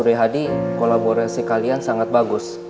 suri hadi kolaborasi kalian sangat bagus